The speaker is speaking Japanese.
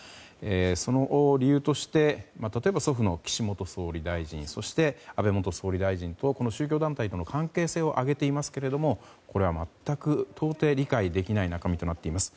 その理由として、例えば祖父の岸元総理大臣そして、安倍元総理大臣と宗教団体との関係性を挙げていますがこれは全く到底理解できない中身となっています。